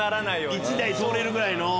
１台通れるぐらいの。